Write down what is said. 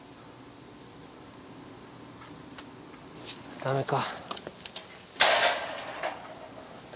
ダメか。